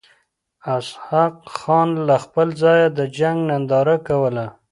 اسحق خان له هغه ځایه د جنګ ننداره کوله.